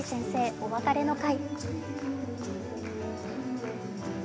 お別れの会。